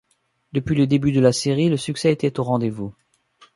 Depuis le début de la série, le succès était au rendez-vous.